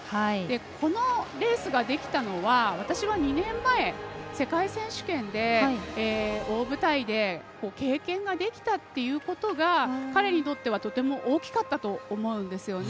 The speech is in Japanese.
このレースができたのは私は２年前世界選手権で大舞台で経験ができたっていうことが彼にとってはとても大きかったと思うんですよね。